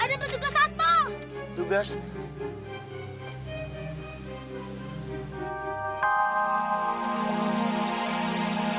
ada petugas apa